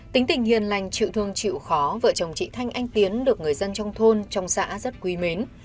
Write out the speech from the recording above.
tính tình hiền lành chịu thương chịu khó vợ chồng chị thanh anh tiến được người dân trong thôn trong xã rất quý mến